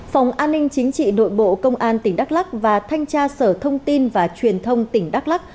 phòng an ninh chính trị nội bộ công an tỉnh đắk lắc và thanh tra sở thông tin và truyền thông tỉnh đắk lắc